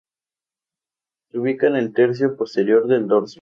Se ubica en el tercio posterior del dorso.